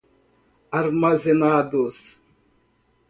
armazenados